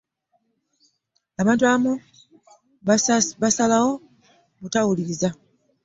abantu abamu basalawo obutawuliriza